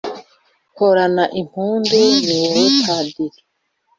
horana impundu ni wowe padiri